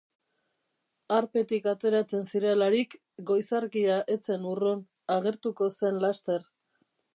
Harpetik ateratzen zirelarik, goiz argia ez zen urrun, agertuko zen laster.